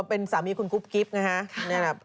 เป็นสามีคุณกุ๊บกิ๊บนะฮะ